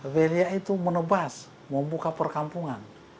velia itu menebas membuka perkampungan